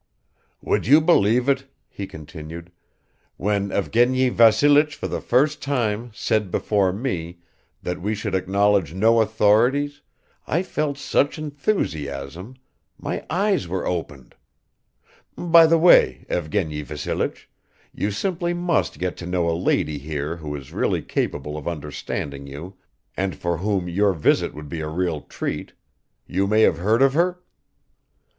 "Would you believe it," he continued, "when Evgeny Vassilich for the first time said before me that we should acknowledge no authorities, I felt such enthusiasm ... my eyes were opened! By the way, Evgeny Vassilich, you simply must get to know a lady here who is really capable of understanding you and for whom your visit would be a real treat; you may have heard of her?"